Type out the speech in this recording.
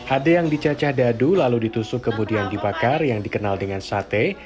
ada yang dicacah dadu lalu ditusuk kemudian dibakar yang dikenal dengan sate